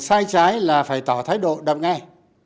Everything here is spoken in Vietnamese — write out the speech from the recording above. càng sai trái là phải tỏ thái độ đọc ngay